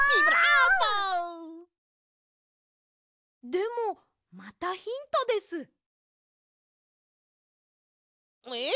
でもまたヒントです。えっ！？